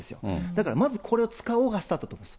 だからまずこれを使おうがスタートです。